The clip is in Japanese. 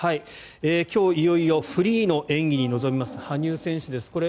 今日、いよいよフリーの演技に臨みます、羽生選手です。